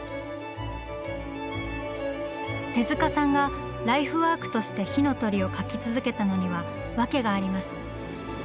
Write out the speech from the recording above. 手さんがライフワークとして「火の鳥」を描き続けたのにはわけがあります。